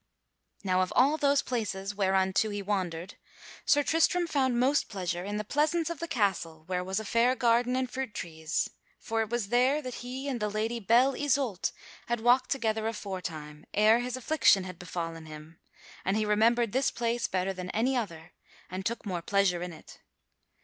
Now of all those places whereunto he wandered, Sir Tristram found most pleasure in the pleasance of the castle where was a fair garden and fruit trees; for it was there that he and the Lady Belle Isoult had walked together aforetime ere his affliction had befallen him, and he remembered this place better than any other, and took more pleasure in it.